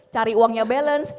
cari uangnya balance